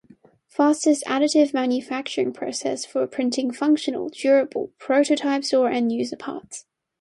Fastest additive manufacturing process for printing functional, durable, prototypes or end user parts.